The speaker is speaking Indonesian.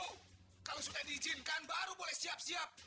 kalau sudah diizinkan baru boleh siap siap